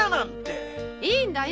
いいんだよ。